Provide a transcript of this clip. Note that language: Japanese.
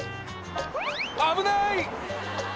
危ない！